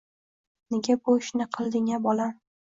Nega bu ishni qilding-a, bolam?